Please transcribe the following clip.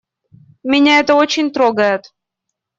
Меня это очень трогает.